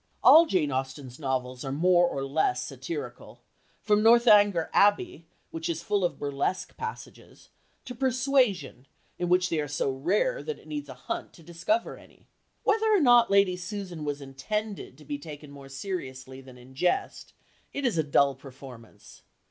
All Jane Austen's novels are more or less satirical, from Northanger Abbey, which is full of burlesque passages, to Persuasion, in which they are so rare that it needs a hunt to discover any. Whether or not Lady Susan was intended to be taken more seriously than in jest, it is a dull performance.